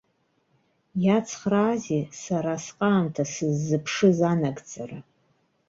Иацхраазеи сара асҟаамҭа сыззыԥшыз анагӡара.